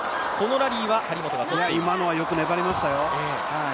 今のはよく粘りましたよ。